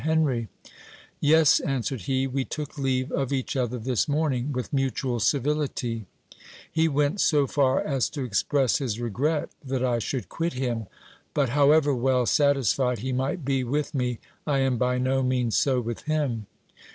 Yes, answered he, we took leave of each other this morning with mutual civility ; he went so far as to express his regret that I should quit him ; but however well satisfied he might be with me, I am by no means so with him.